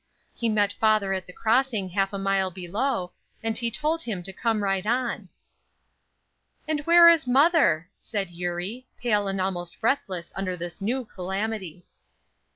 He met father at the crossing half a mile below, and he told him to come right on." "And where is mother?" said Eurie, pale and almost breathless under this new calamity.